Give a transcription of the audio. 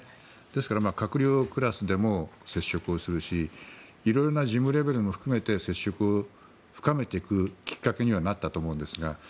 ですから、閣僚クラスでも接触をするしいろいろな事務レベルも含めて接触を深めていくきっかけにはなったと思うんですが。